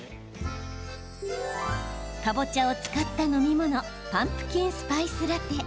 かぼちゃを使った飲み物パンプキンスパイスラテ。